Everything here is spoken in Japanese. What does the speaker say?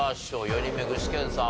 ４人目具志堅さん